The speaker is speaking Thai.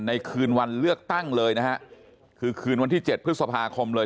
คืนวันเลือกตั้งเลยนะฮะคือคืนวันที่เจ็ดพฤษภาคมเลย